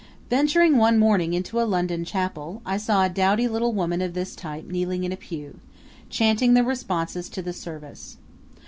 Venturing one morning into a London chapel I saw a dowdy little woman of this type kneeling in a pew, chanting the responses to the service.